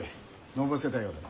のぼせたようでな。